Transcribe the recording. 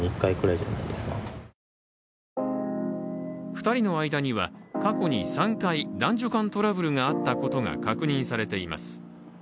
２人の間には過去に３回、男女間トラブルがあったことが確認されています。